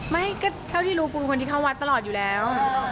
ไม่เท่าที่รู้คุณผู้ที่เข้าวัดตลอดอยู่แล้ว